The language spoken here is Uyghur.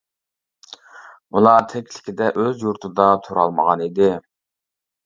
ئۇلار تىرىكلىكىدە ئۆز يۇرتىدا تۇرالمىغان ئىدى.